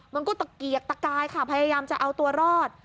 มันก็ตะเกียกตะกายค่ะพยายามจะเอาตัวรอด